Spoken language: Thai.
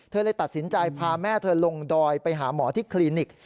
เลยตัดสินใจพาแม่เธอลงดอยไปหาหมอที่คลินิก